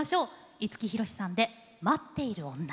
五木ひろしさんで「待っている女」。